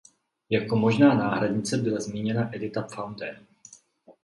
Jako možná náhradnice byla zmíněna Edita Pfundtner.